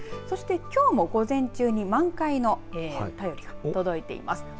そして、きょうも午前中に満開の便りが届いています。